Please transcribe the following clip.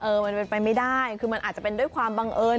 มันเป็นไปไม่ได้คือมันอาจจะเป็นด้วยความบังเอิญ